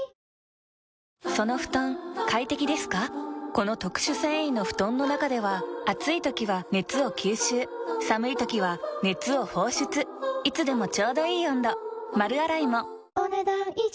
この特殊繊維の布団の中では暑い時は熱を吸収寒い時は熱を放出いつでもちょうどいい温度丸洗いもお、ねだん以上。